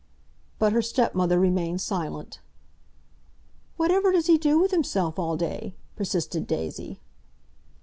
But her stepmother remained silent. "Whatever does he do with himself all day?" persisted Daisy.